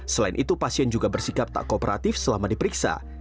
selain itu pasien juga bersikap tak kooperatif selama diperiksa